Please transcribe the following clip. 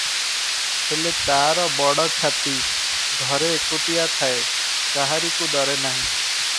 ହେଲେ ତାର ବଡ଼ ଛାତି, ଘରେ ଏକୁଟିଆ ଥାଏ, କାହାରିକୁ ଡରେ ନାହିଁ ।